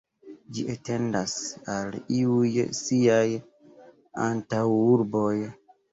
Ĝi etendas al iuj siaj antaŭurboj.